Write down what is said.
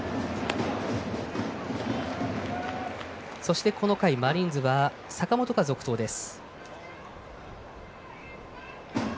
そして、この回マリーンズは坂本が続投です。